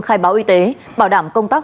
khai báo y tế bảo đảm công tác